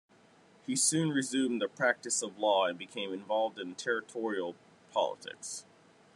He soon resumed the practice of law and became involved in territorial politics.